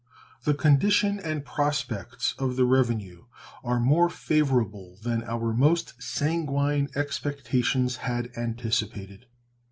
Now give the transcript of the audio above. The condition and prospects of the revenue are more favorable than our most sanguine expectations had anticipated.